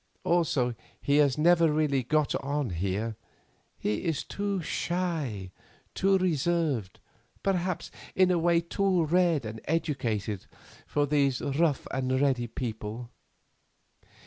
Also he has never really got on here; he is too shy, too reserved, perhaps, in a way, too well read and educated, for these rough and ready people.